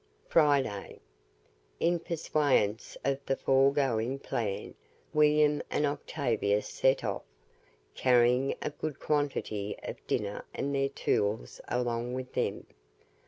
FRIDAY. In pursuance of the foregoing plan William and Octavius set off, carrying a good quantity of dinner and their tools along with them.